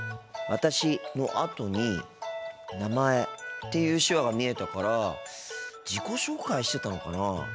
「私」のあとに「名前」っていう手話が見えたから自己紹介してたのかなあ。